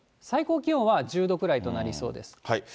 最高気温は１０度くらいとなりそうです。